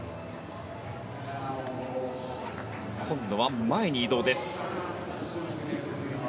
今度は前に移動です。